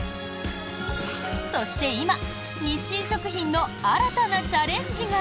そして今、日清食品の新たなチャレンジが。